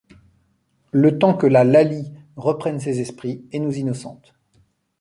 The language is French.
le temps que la Laly reprenne ses esprits et nous innocente.